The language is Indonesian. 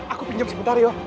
aku pinjam sebentar ya